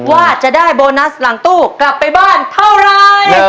ว่าจะได้โบนัสหลังตู้กลับไปบ้านเท่าไร